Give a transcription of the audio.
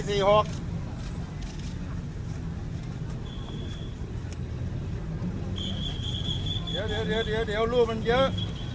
เดี๋ยวเดี๋ยวเดี๋ยวเดี๋ยวรูปมันเยอะ